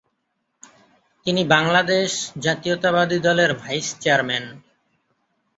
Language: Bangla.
তিনি বাংলাদেশ জাতীয়তাবাদী দলের ভাইস চেয়ারম্যান।